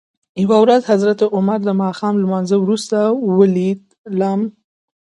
یوه ورځ حضرت عمر دماښام لمانځه وروسته ولید ل.